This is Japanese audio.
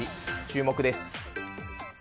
注目です。